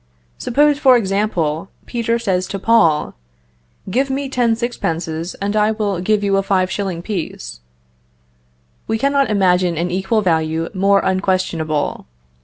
Suppose, for example, Peter says to Paul, "Give me ten sixpences, I will give you a five shilling piece." We cannot imagine an equal value more unquestionable.